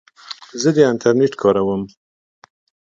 زه د انټرنیټ کاروم.